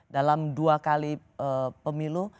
dalam dua kali pemilu